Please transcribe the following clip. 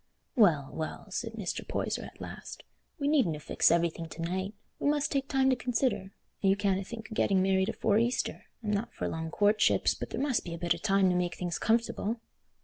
"Well, well," said Mr. Poyser at last, "we needna fix everything to night. We must take time to consider. You canna think o' getting married afore Easter. I'm not for long courtships, but there must be a bit o' time to make things comfortable."